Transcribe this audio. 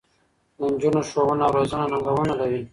د نجونو ښوونه او روزنه ننګونې لري.